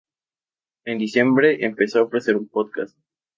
En diciembre empezó a ofrecer un podcast.